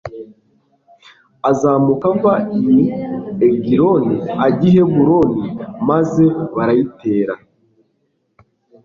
azamuka ava i egiloni, ajya i heburoni, maze barayitera